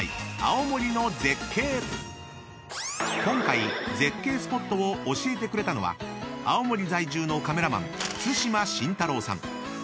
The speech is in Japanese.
［今回絶景スポットを教えてくれたのは青森在住のカメラマン対馬慎太郎さん］